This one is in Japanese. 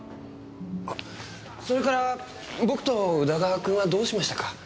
あっそれから僕と宇田川君はどうしましたか？